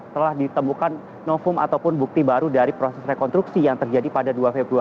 telah ditemukan novum ataupun bukti baru dari proses rekonstruksi yang terjadi pada dua februari dua ribu dua puluh tiga lalu elvira